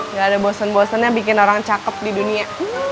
nggak ada bosen bosennya bikin orang cakep di dunia